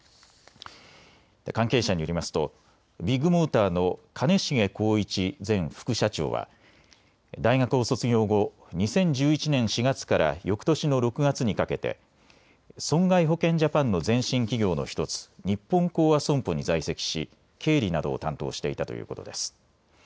関係者によりますとビッグモーターの兼重宏一前副社長は大学を卒業後、２０１１年４月からよくとしの６月にかけて損害保険ジャパンの前身企業の１つ、日本興亜損保に在籍し経理などを担当していたということです。